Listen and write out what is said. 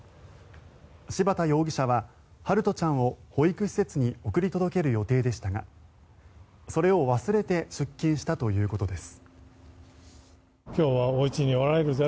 柴田容疑者は陽翔ちゃんを保育施設に送り届ける予定でしたがそれを忘れて出勤したということです。